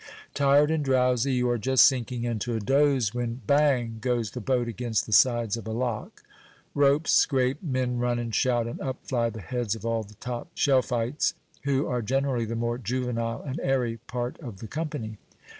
Tired and drowsy, you are just sinking into a doze, when bang! goes the boat against the sides of a lock; ropes scrape, men run and shout, and up fly the heads of all the top shelfites, who are generally the more juvenile and airy part of the company.